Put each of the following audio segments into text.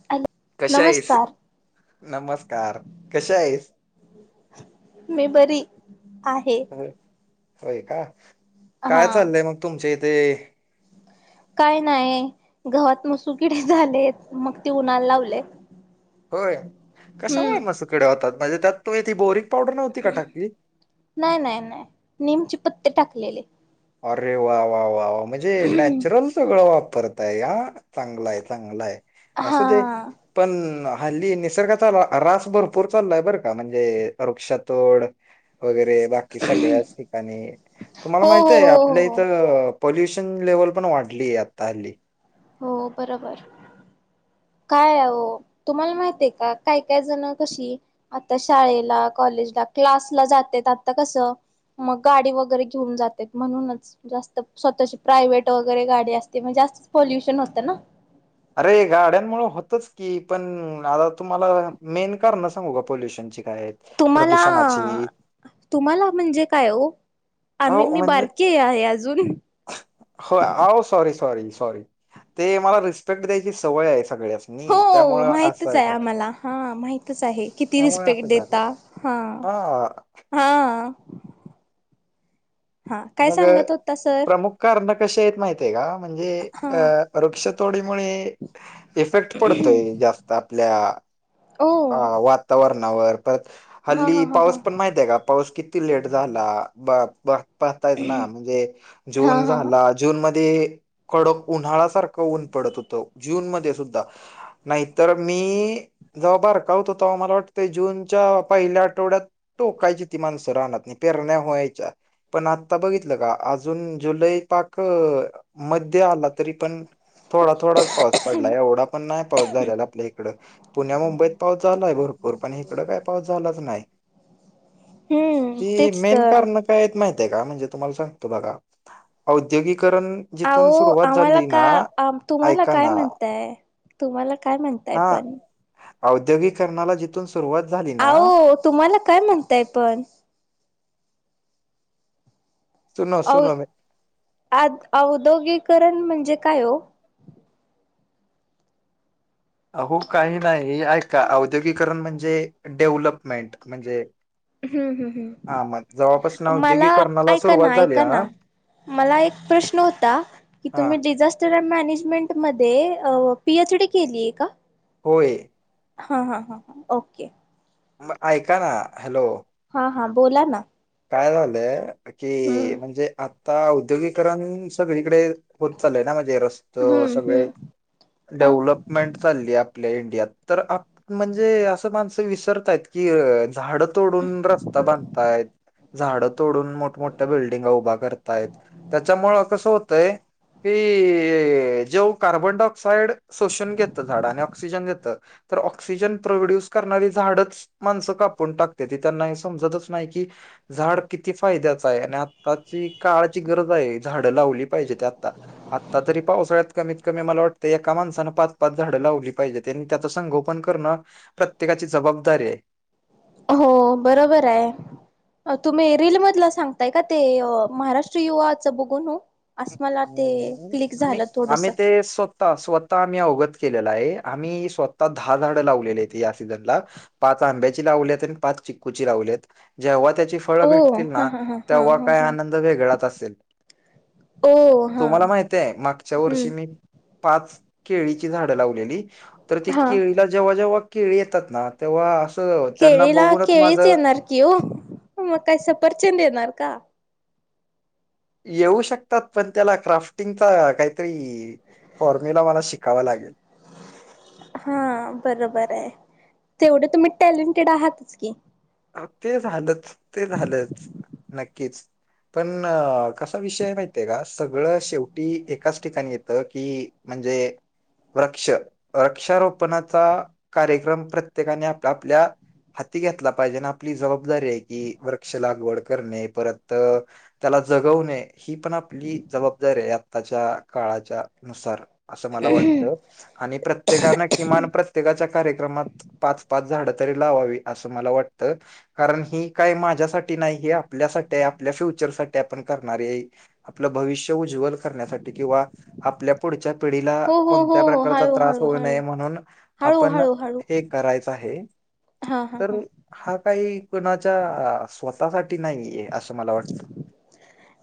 [unintelligible] कशी हाइ्स नमस्कार नमस्कार कशी हाइ्स? मी बरी आहे. होय, का हा काय चाललंय मग तुमच्या इथे? काय नाही? गव्हात मसू किडे झालेत, मग ते उन्हाला लावलेत. होय, कशामुळे मसू कडे होतात, म्हणजे त्यात तुम्ही ती बोरीक पावडर नव्हती, का टाकली? नाय, नाय, नाय नीमचे पत्ते टाकलेले. अरे! वा वा वा वा म्हणजे, नॅचरल सगळं वापरताय, या चांगला हाय चांगला हाय हा असूदे. पण हल्ली निसर्गाचा रास भरपूर चाललाय बरं का? म्हणजे, वृक्षतोड वगैरे बाकी सगळ्याच ठिकाणी तुम्हाला हो माहित हो आहे? हो आपल्या हो इथं पॉल्युशन लेवल, पण वाढलीय आता हल्ली. हो, बरोबर. काय आवो तुम्हाला माहित आहे का, काय काय जण कशी? आता शाळेला कॉलेजला क्लासला जातेत आता कसं? मग गाडी वगैरे घेऊन, जातेेत म्हणूनच, जास्त स्वतःची प्रायव्हेट वगैरे गाडी असते, म जास्तचं पॉल्युशन होतं ना? अरे गाड्यांमुळे होतच की, पण आता तुम्हाला मेन कारण सांगू का पोल्युशन त्यांची काय तुम्हाला प्रदूषणाची तुम्हाला म्हणजे काय हो आमही अहो मी म्हणजे बारकीे आहे अजून हो आ वो सॉरी सॉरी सॉरी ते मला रिस्पेक्ट द्यायची सवय आहे सग्ळ्यासनी हो माहितच आहे आम्हाला हा माहितच आहे किती त्यामुळे रिस्पेक्ट असं झालं देता हा हा हा हा काय मग सांगत होता सर प्रमुख कारण कशी आहेत माहिती माहितीय का म्हणजे हा अ वृक्षतोडीमुळे इफेक्ट पडतोय जास्त आपल्या हो अ वातावरणावर परत हा हा हल्ली हा हा पाऊस पण माहित आहे का पाऊस किती किती लेट झाला ब ब पाहतायच ना म्हणजे हा जून हा हा झाला जूनमध्ये कडक उन्हाळ सारखं ऊन पडत होतं जूनमध्ये सुद्धा नाही तर मी जवा बरका होतो तवा मला वाटतय जूनच्या पहिल्या आठवड्यात टोकायची ती माणसं रानातनी पेरण्या व्हायच्या पण आता बघितलं का अजून जुलै पाक मध्य आला तरी पण थोडा थोडाच पाऊस पडलाय एवढा पण नाही पाऊस झाल्याला आपल्या इकडं पुण्या मुंबईत पाऊस झालाय भरपूर पण इकडं काही पाऊस झालाच नाही हम्म ते तेच मेन तर कारण माहित का म्हणजे तुम्हाला सांगतो बघा औद्योगीकरण अहो आम्हाला का तुम्हाला ऐका ना काय म्हणताय तुम्हाला काय म्हणताय पण औद्योगिककरणाला जिथून सुरुवात झाली ना अहो तुम्हाला काय म्हणताय पण सुनाव सुनाव आद औद्योगिकरण म्हणजे काय हो अहो काही नाही ऐका औद्योगीकरण म्हणजे डेव्हलपमेंट म्हणजे हम्म हम् हा मग जेव्हापासून हम् मला औद्योगिकरणाला ऐका सुरुवात ना झाली ऐका हा ना मला एक प्रश्न होता की हा तुम्ही डिझास् - झास्टर मॅनेजमेंट मध्ये अ पीएच डी केलीय का होय हा हा हा ह ओके ऐकाना हॅलो हा हां बोला ना काय झालंय कि हम्म म्हणजे आता औद्योगीकरण सगळीकडे होत चालय ना म्हणे रस त हम्म सगळे हम्म हा डेव्हलपमेंट चालली आप आपल्या इंडियात तर आप म्हणजे असं माणसं विसरतायत की - झाडं तोडून रस्ता बांधतायत झाडं तोडून मोठमोठ्या बिल्डिंगा उभा करतायत त्याच्यामुळ कसं होतंय ही जेव कार्बन डायऑक्साइड शोषून घेतं झाड आणि ऑक्सिजन घेतं तर ऑक्सिजन प्रोड्यूस करणारी झाडच माणसं कापून टाकतेती त्यांना हे समजतच नाही की झाड किती फायद्याचं आहे आणि आताची काळाची गरज आहे झाडं लावली पाहिजे ते आता आत्ता तरी पावसाळ्यात कमीत कमी मला वाटतं एका माणसानं पाच पाच झाडं लावली पाहिजेत त्यांनी त्याच संगोपन करणं प्रत्येकाची जबाबदारी आहे हो बरोबर आहे तुम्ही रीलमधला सांगताय का ते महाराष्ट्र युवाचं बघून ओ. आम् आम्ही थोडस ते स् स्वतः आम्ही अवगत केलेला आहे. आम्ही स्वतः दहा झाड लावलेले आहेत या सीझनला. पाच आंब्याची लावलेत आणि पाच चिक्कूची लावलेत जेव्हा त्याची फळ ओ भेटतील हा ना, हा हा हा तेव्हा हा काय हा आनंद वेगळाच असेल. होओ. तुम्हाला माहितय मागच्या वर्षी मी पाच केळीची झाडं लावलेली. तर ती हा केळीला जेव्हा जेव्हा केळी येतात ना तेव्हा असं त्यांना केळीला बघूनच केळीच माझं, येणार की हो, मग कस परचंद येणार का! येऊ शकतात पण त्याला क्राफ्टिंगचा काहीतरी, फॉर्म्युला मला शिकावा लागेल. हा बरोबर आहे. तेवढे तुम्ही टॅलेंटेड आहातच की, ते झालंच, ते झालंच, नक्कीच. पण कसा विषय माहितीय का! सगळं शेवटी एकाच ठिकाणी येतं की, म्हणजे, वृक्ष वृक्षारोपणाचा कार्यक्रम प्रत्येकाने आपल्यापल्या हाती घेतला पाहिजे ना, आपली जबाबदारी आहे. की वृक्ष लागवड करणे परत त्याला जगवणे ही पण आपली जबाबदारी आहे. आत्ताच्या काळाच्या नुसार. असं मला वाटतं. आणि प्रत्येकान किमान प्रत्येकाच्या कार्यक्रमात पाच पाच झाडं तरी लावावी असं मला व वाटतं. कारण ही काय माझ्यासाठी नाही हे आपल्यासाठी आपल्या फ्युचरसाठी आपण करणारी आहे. आपलं भविष्य उज्ज्वल करण्यासाठी किंवा आपल्या पुढच्या पिढीला हो हो कोणत्या हो हो प्रकारचा हळू त्रास हळू होऊ नये हळू म्हणून हळू आपण हळू हळू हे करायचं आहे. हा हा. तर हा काही कोणाच्या स्वतःसाठी नाहीय. असं मला वाटत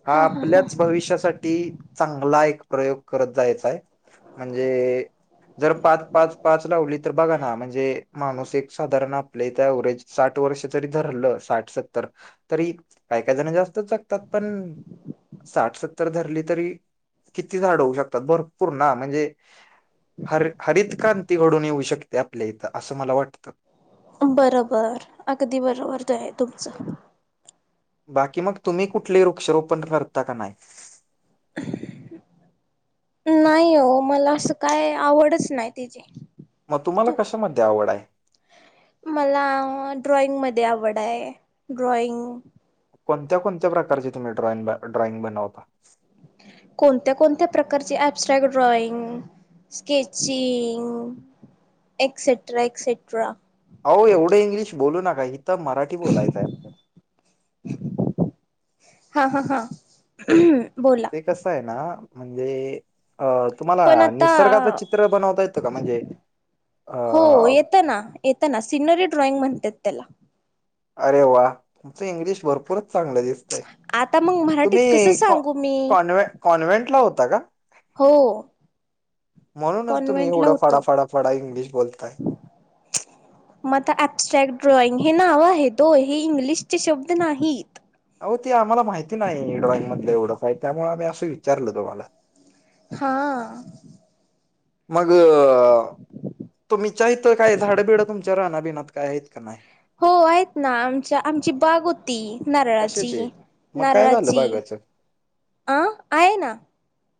हा आपल्याच भविष्यासा ठी चांगला एक प्रयोग करत जायचाय. म्हणजे, जर पाच पाच पाच लावली तर बघा ना म्हणजे, माणूस एक साधारण आपले त्या व्हरेज साठ वर्ष तरी धरलं साठ सत्तर तरी काही काही जण जास्त जगतात पण, साठ सत्तर धरली तरी किती झाड होऊ शकतात भरपूर ना म्हणजे, हर हरित क्रांती घडून येऊ शकते आपल्या इथं असं मला वाटतं. बरोबर अगदी बरोबरच आहे तुमचं. बाकी मग तुम्ही कुठले वृक्षरोपण करता का नाही? नाही हो मला असं काय आवडच नाही तिची मग तुम्हाला तू कशामध्ये आवड आहे. मला ड्रॉइंग मध्ये आवड आहे ड्रॉइंग. कोणत्या कोणत्या प्रकारची तुम्ही ड्रॉइंग ड्रॉइंग बनवता. कोणत्या कोणत्या प्रकारची abstract drawing, sketching etcetera etcetera. अहो, एवढं इंग्लिश बोलू नका हिथ मराठी बोलायचं आहे आपल्या. हा ह हा बोला. ते कसं आहे ना म्हणजे, अ पण तुम्हाला आता निसर्गाचं चित्र बनवता येतं का म्हणजे अ य ना येेत ना सिनरी ड्रॉइंग म्हणतात त्याला. अरे वा! तुमचं इंग्लिश भरपूरच चांगलं दिसत. आता मग मराठीत कसं तुम्ही सांगू मी कॉन कॉन्व्हेंट ला होता का? हो. हो. म्हणून तुम्ही एवढं फडा होतो फडाफडा इंग्लिश बोलताय. मता अबस्ट्रॅक्ट ड्रॉइंग हे नाव आहे तो हे इंग्लिशचे शब्द नाहीत. हो ते आम्हाला माहिती नाही ड्रॉइंग मधलं एवढं काय त्यामुळे आम्ही असं विचारलं तुम्हाला? हा. मग तुम्च्या इथ काय झाडं बिडं तुमच्या राहना बिनात काय आहेत का नाही. हो आहेत ना आमच्या आमची बाग ती कशाचे नारळाची मग काय झालं नारळाची बागाचं अ आहे ना.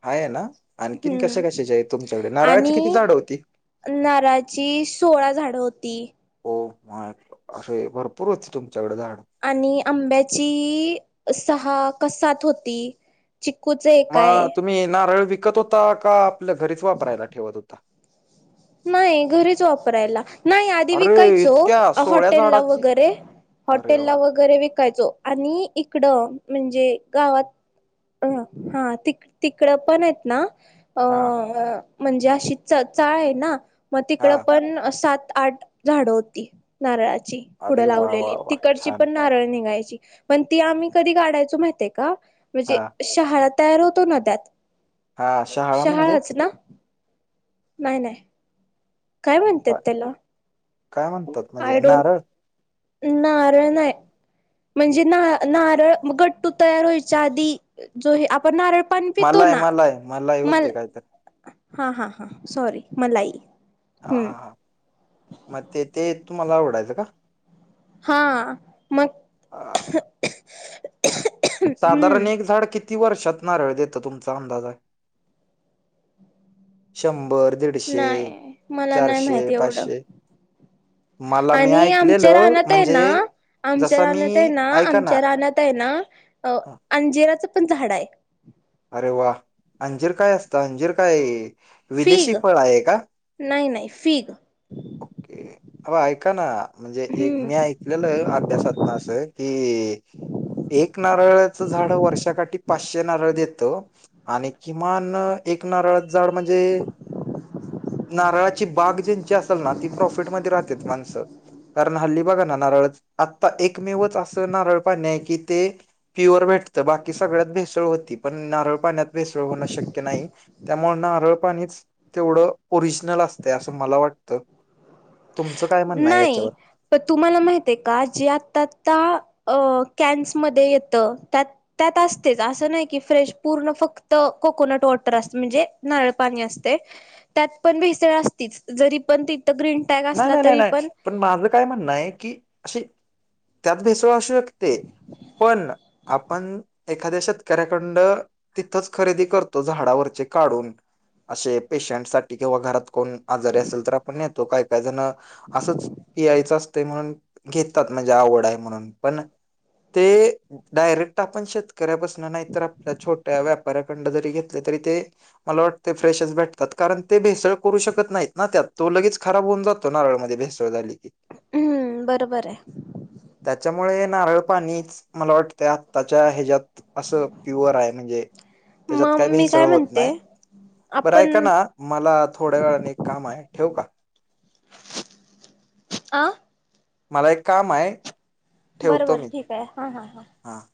हाय ना आणखीन कशा हम्म कशाचे आहे तुमच्याकडे नारळाची किती झाडं होती. नाराची सोळा झाडं होती. हो मा असे भरपूर होते तुमच्याकडे झाड आणि आंब्याची सहा कसात होती. चिकूचं आहे काय? मी नारळ विकत होता का आपल्या घरीच वापरायला ठेवत होता. नाही घरीच वापरायला नाही आधी अरे विकायचो इतक्या सोळ्या हॉटेल ला झाडाची वगैरे अरे हॉटेल ला वा वगैरे विकायचो आणि इकडं म्हणजे गावात अ हा तिक तिकडं पण आहेत ना. अ हा म्हणजे अशी च चाळ आहे ना मग तिकड हा पण सात आठ झाडं होती नारळाची पुढं अरे वा वा लावलेली वा तिकडची छान पण नारळ निघायची. पण ती आम्ही कधी कााडायचो माहिते का म्हणजे हा शहारात तयार होतो नद्यात हा शहाळा म्हणजे नाही नाही काय म्हणतात त्याला काय म्हणतात म्हणजे आय डोंट नारळ. नारळ नाही. म्हणजे नारळ गट्टू तयार व्हायच्या आधी जो हे आपण नारळ पाणी पितो मला आहे ना मलाय मलाही मल होती काय तर हा हा हा सॉरी मलाई. हा हा हम्म हा मग ते ते तुम्हाला आवडायचं का? हा मग हा. साधारण हम्म एक झाड किती? व शत नारळ देत तुमचा अंदाज आहे शंभर दीडशे नाही मला नाही चारशे माहिती एवढं पाचशे मला मी आणि आमच्या ऐकलेलं राहनात आहे म्हणजे ना आमच्या जसा मी रानात आहे ना ऐका ना आमच्या रानात आहे ना अ हा, अंजिराचं पण झाड आहे अरे वा अंजीर काय असतं अंजीर काय विदेशी फिग फळ आहे का नाही नाही फिग ओके अ ऐका ना म्हणजे एक हम्म मीऐ लेलं अभ्यासात ना असं की एक नारळाचं झाड वर्षाकाठी पाचशे नारळ देत आणि किमान एक नारळ जाड म्हणजे नारळाची बाग ज्यांची असेल ना ती प्रॉफिटमध्येध्ये राहते माणसं कारण हल्ली बघा ना नारळ आत्ता एकमेवच असं नारळ पाणी आहे की ते प्युअर भेटतं बाकी सगळ्यात भेसळ होती पण नारळ पाण्यात भेसळ होणं शक्य नाही त्यामुळे नारळ पाणीच तेवढं ओरिजनल असत असं मला वाटतं तुमचं काय म्हणणं आहे नाही याच्यावर? प तुम्हाला माहित आहे का जे आताता कॅनसमध्येध्ये येतं त्यात त्यात असतेच असं नाही की फ्रेश पूर्ण फक्त कोकोनट वॉटर असते म्हणजे नारळ पाणी असते त्यात पण भिळ अस जरी पण तिथ गन टॅग अस नाही नाही नाही तरी नाही पण माझ काय म्हणणं आहे की असे त्यात भेसळ असू शकते पण आपण एखाद्या शेतकऱ्याकंड तिथंच खरेदी करतो झाडावरचे काढून असे पेशंटसाठीठी किंवा घरात कोण आजारी असेल तर आपण येतो काय काय जण असंच पियायचं असत म्हणून घेतात म्हणजे आवड आहे म्हणून पण- ते- डायरेक्ट आपण शेतकऱ्यापासन नाही तर आपल्या छोट्या व्यापाऱ्याकडन जरी घेतले तरी ते- मला वाटत फ्रेशच भेटतात. कारण ते भेसळ करू शकत नाहीत ना त्यात. तो लगेच- खराब होऊन जातो. नारळमध्ये भेसळ झाली की. हम्म. बरोबर आहे. त्याच्यामुळे नारळ पाणीच मला वाटत- त्याच्या ह्याच्यात असं प्युअर आहे. म्हणजे त्याच्यात मग काय मी भेसळ होत म्हणते नाही. आपण- का ना मला थोड्या वेळाने काम आहे. ठेवू का? अ? मला एक काम आहे. बरं बरं. ठीक आहे. हा हां हां. हां.